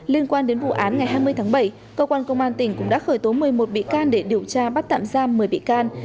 liên quan đến vụ án ngày hai mươi tháng bảy cơ quan công an tỉnh cũng đã khởi tố một mươi một bị can để điều tra bắt tạm giam một mươi bị can